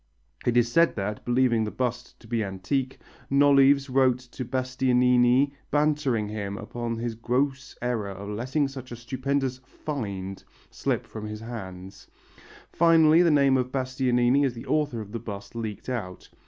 It is said that, believing the bust to be antique, Nolives wrote to Bastianini bantering him upon his gross error in letting such a stupendous "find" slip from his hands. Finally the name of Bastianini as the author of the bust leaked out.